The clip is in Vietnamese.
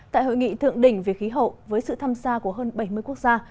tại hội nghị thượng đỉnh về khí hậu với sự tham gia của hơn bảy mươi quốc gia